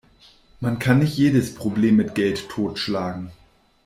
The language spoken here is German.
Man kann nicht jedes Problem mit Geld totschlagen.